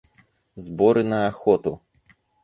Сборы на охоту.